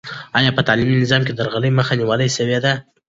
آیا په تعلیمي نظام کې د درغلۍ مخه نیول سوې ده؟